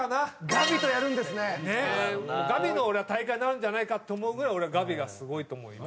ガビの大会になるんじゃないかって思うぐらい俺はガビがすごいと思う今。